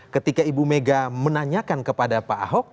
ketika ibu mega menanyakan kepada pak ahok